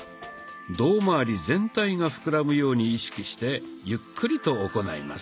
胴まわり全体が膨らむように意識してゆっくりと行います。